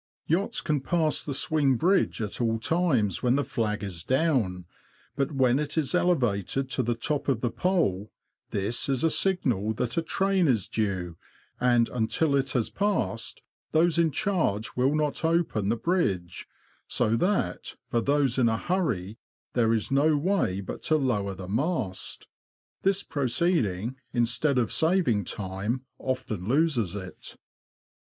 Yachts can pass the swing bridge at all times when the flag is down ; but when it is elevated to the top of the pole, this is a signal that a train is due, and until it has passed those in charge will not open the bridge ; so that, for those in a hurry, there is no way but to lower the mast. This proceeding, instead of saving time, often loses it.